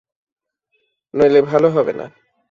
নইলে ভালো হবে না।